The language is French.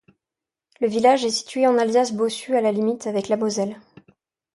Le village est situé en Alsace Bossue à la limite avec la Moselle.